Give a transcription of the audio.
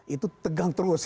itu tegang terus